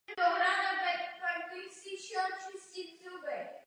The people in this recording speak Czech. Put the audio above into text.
Jednalo se do té doby o druhou nejširší nominaci českého týmu.